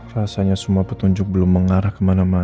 rasanya semua petunjuk belum mengarah kemana mana